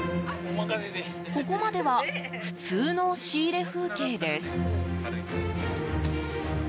ここまでは普通の仕入れ風景です。